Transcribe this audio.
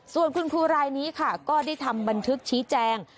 ส่วนคุณครูรายนี้ค่ะก็ได้ทำบันทึกชี้แจง